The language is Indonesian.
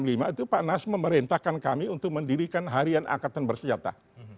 itu pak nas memerintahkan kami untuk mendirikan harian angkatan bersenjata